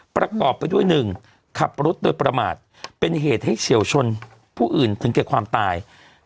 ประกอบไปด้วย๑ขับรถโดยประมาทเป็นเหตุให้เฉียวชนผู้อื่นถึงแก่ความตาย